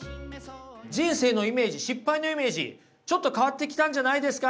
人生のイメージ失敗のイメージちょっと変わってきたんじゃないですか？